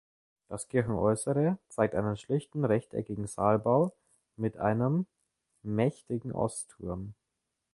Das Kirchenäußere zeigt einen schlichten rechteckigen Saalbau mit einem mächtigen Ostturm.